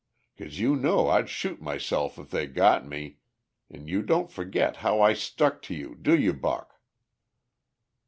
'Cause you know I'd shoot myself if they got me, an' you don't forget how I stuck to you, do you, Buck?"